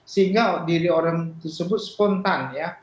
sehingga diri orang tersebut spontan ya